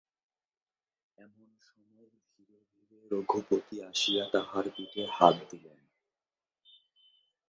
এমন সময়ে ধীরে ধীরে রঘুপতি আসিয়া তাঁহার পিঠে হাত দিলেন।